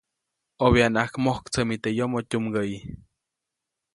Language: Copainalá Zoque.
ʼObyanaʼak mojktsämi teʼ yomoʼ tyumgäʼyi.